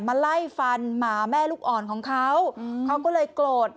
มาไล่ฟันหมาแม่ลูกอ่อนของเขาเขาก็เลยโกรธ